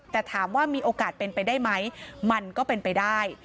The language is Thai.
แต่ถามว่ามีโอกาสเป็นไปได้ไหมมันก็เป็นไปได้